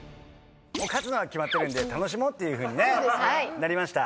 勝つのは決まってるんで楽しもうっていうふうにねなりました。